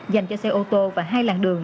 dành cho xe ô tô và hai làng đường